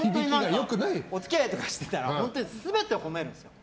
お付き合いとかしてたら全部褒めるんですよ。